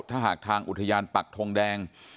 ถ้าหากทางอุทยานปักทงแดง